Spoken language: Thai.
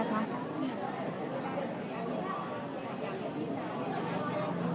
และที่อยู่ด้านหลังคุณยิ่งรักนะคะก็คือนางสาวคัตยาสวัสดีผลนะคะ